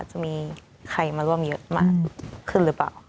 จะมีใครมาร่วมเยอะมากขึ้นหรือเปล่า